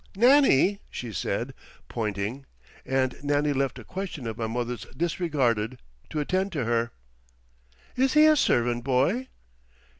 "Nannie," she said, pointing, and Nannie left a question of my mother's disregarded to attend to her; "is he a servant boy?"